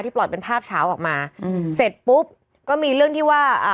ที่ปลอดเป็นภาพเช้าออกมาเสร็จปุ๊บก็มีเรื่องที่ว่า